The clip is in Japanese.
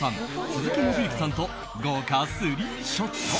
鈴木伸之さんと豪華スリーショット。